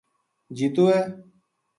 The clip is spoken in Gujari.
جیتو ہے